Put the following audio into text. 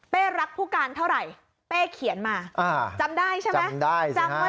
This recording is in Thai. รักผู้การเท่าไหร่เป้เขียนมาจำได้ใช่ไหมจำได้จำไว้